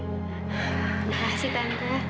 terima kasih tante